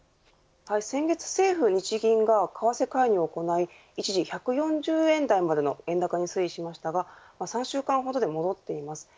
先月、政府・日銀が為替介入を行い一時１４０円台までの円高の水準にしましたが３週間ほどで戻っています。